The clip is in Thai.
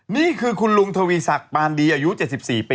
นี่คือคุณลุงทวีศักดิ์ปานดีอายุ๗๔ปี